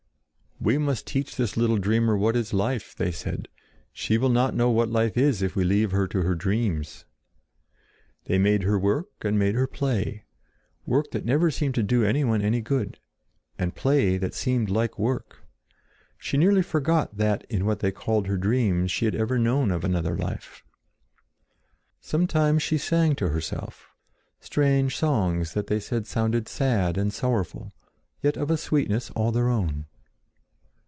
"We must teach this little dreamer what is life!" they said. "She will not know what life is if we leave her to her dreams." They made her work and made her play: work that never seemed to do anyone any good, and play that seemed like work. She nearly forgot that in what they called her dreams she had ever known of another life. Sometimes she sang to herself, strange songs that they said sounded sad and sorrowful, yet of a sweetness all their own.